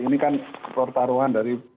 ini kan pertaruhan dari